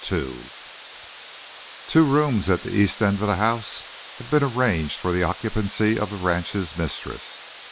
Two rooms at the east end of the house had been arranged for the occupancy of the ranch's mistress.